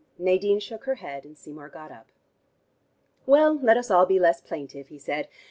Nadine shook her head and Seymour got up. "Well, let us all be less plaintive," he said.